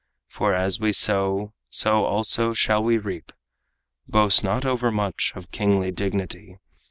For as we sow, so also shall we reap. Boast not overmuch of kingly dignity.